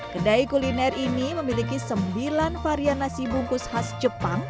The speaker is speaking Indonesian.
kedai kuliner ini memiliki sembilan varian nasi bungkus khas jepang